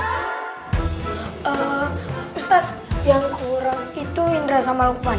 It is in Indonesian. pak ustadz yang kurang itu indra sama lukman